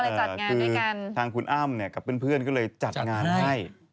คือคือหรือกับอ้ามเนี่ยกับเพื่อนก็เลยจัดงานไห้